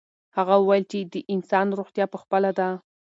هغه وویل چې د انسان روغتیا په خپله ده.